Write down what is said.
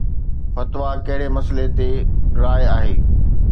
فتويٰ ڪهڙي مسئلي تي راءِ آهي؟